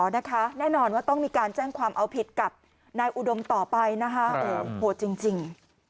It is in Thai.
แน่นอนว่าต้องมีการแจ้งความเอาผิดกับนายอุดมต่อไปนะคะโอ้โหโหดจริง